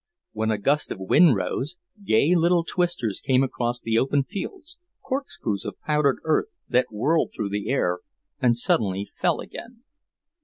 When a gust of wind rose, gay little twisters came across the open fields, corkscrews of powdered earth that whirled through the air and suddenly fell again.